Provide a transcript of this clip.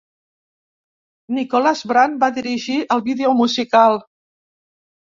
Nicholas Brandt va dirigir el vídeo musical.